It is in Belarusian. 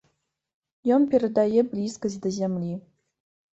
Ён перадае блізкасць да зямлі.